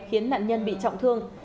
khiến nạn nhân bị trọng thương